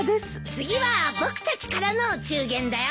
次は僕たちからのお中元だよ。